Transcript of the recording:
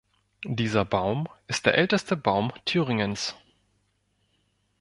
Dieser Baum ist der älteste Baum Thüringens.